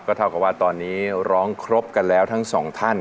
เท่ากับว่าตอนนี้ร้องครบกันแล้วทั้งสองท่าน